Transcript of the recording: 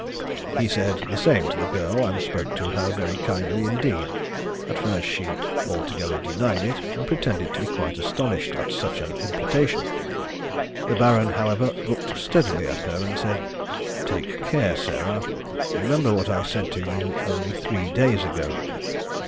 He said the same to the girl, and spoke to her very kindly indeed. At first she altogether denied it, and pretended to be quite astonished at such an imputation. The Baron, however, looked steadily at her and said, "Take care, Sarah! Remember what I said to you only three days ago."